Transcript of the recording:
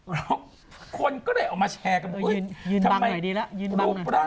แล้วคนก็เลยเอามาแฉกนางบอกว่า